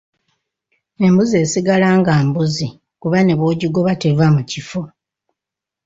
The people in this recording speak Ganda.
Embuzi esigala nga mbuzi kuba ne bw'ogigoba teva mu kifo.